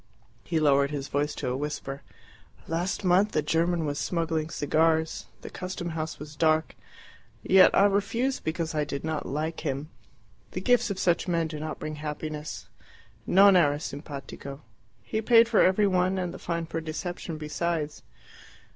He lowered his voice to a whisper. "Last month a German was smuggling cigars. The custom house was dark. Yet I refused because I did not like him. The gifts of such men do not bring happiness. NON ERA SIMPATICO. He paid for every one, and the fine for deception besides."